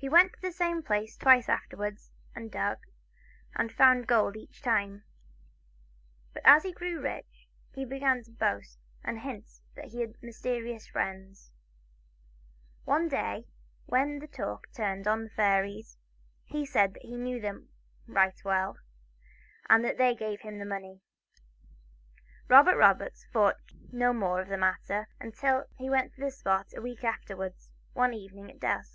He went to the same place twice afterwards, and dug, and found gold each time. But as he grew rich, he began to boast and hint that he had mysterious friends. One day, when the talk turned on the fairies, he said that he knew them right well, and that they gave him money. Robert Roberts thought no more of the matter until he went to the spot a week after wards, one evening at dusk.